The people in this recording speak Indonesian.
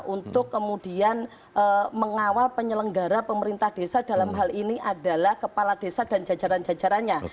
untuk kemudian mengawal penyelenggara pemerintah desa dalam hal ini adalah kepala desa dan jajaran jajarannya